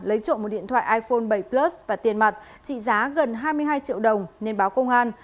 lấy trộm một điện thoại iphone bảy plus và tiền mặt trị giá gần hai mươi hai triệu đồng nên báo công an